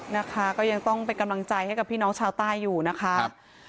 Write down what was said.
นะคะก็ยังต้องเป็นกำลังใจให้กับพี่น้องชาวใต้อยู่นะคะ